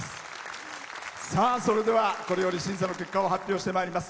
それでは、これより審査の結果を発表してまいります。